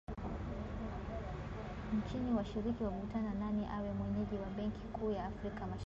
Nchini washiriki wavutana nani awe mwenyeji wa benki kuu ya Afrika Mashariki